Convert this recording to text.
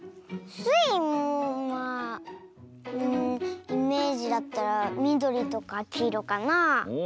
スイもまあうんイメージだったらみどりとかきいろかなあ。